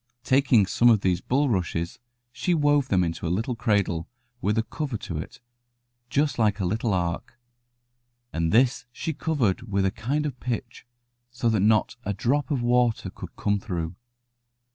Taking some of these bulrushes, she wove them into a little cradle with a cover to it, just like a little ark, and this she covered with a kind of pitch, so that not a drop of water could come through.